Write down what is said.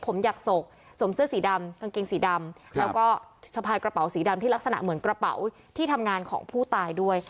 ผมอยากศกสวมเสื้อสีดำกางเกงสีดำแล้วก็สะพายกระเป๋าสีดำที่ลักษณะเหมือนกระเป๋าที่ทำงานของผู้ตายด้วย